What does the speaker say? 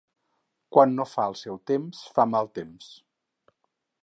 Quan no fa el seu temps, fa mal temps.